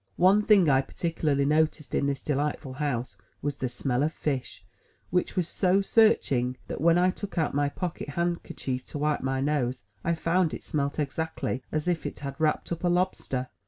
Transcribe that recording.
One thing I particularly noticed in this delightful house, was the smell of fish; which was so searching that when I took out my pocket handkerchief to wipe my nose, I found it smelt exactly as if it had wrapped up a lobster.